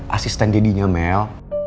asisten jadinya mel